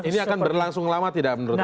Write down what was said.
ini akan berlangsung lama tidak menurut anda